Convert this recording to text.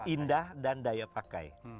indah dan daya pakai